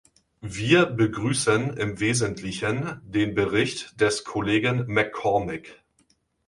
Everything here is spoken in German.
Wir begrüßen im Wesentlichen den Bericht des Kollegen MacCormick.